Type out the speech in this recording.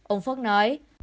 ông phúc nói